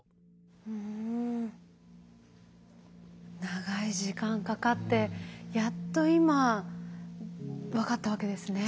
長い時間かかってやっと今分かったわけですね。